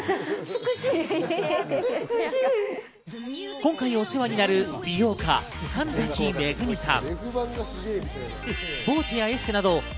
今回、お世話になる美容家・神崎恵さん。